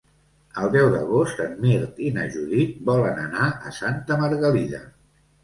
El deu d'agost en Mirt i na Judit volen anar a Santa Margalida.